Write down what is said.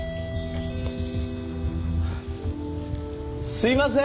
すいませーん！